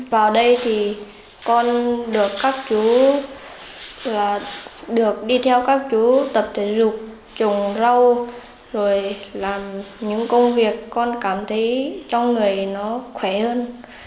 vào đây thì con được các chú được đi theo các chú tập thể dục trồng rau rồi làm những công việc con cảm thấy cho người nó khỏe hơn